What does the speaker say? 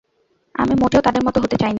আমি মোটেও তাদের মত হতে চাই না।